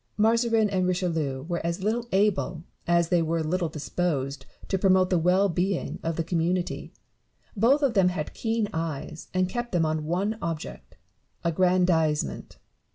Mazarin and Richelieu were as little able as they were little disposed to promote the well being of the community ; both of them had keen eyes, and kept them on one object — aggrandisement.